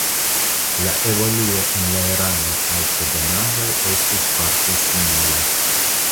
La evoluo en la iranaj altebenaĵoj estis parte simila.